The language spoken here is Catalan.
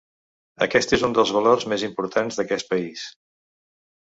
Aquest és un dels valors més importants d’aquest país.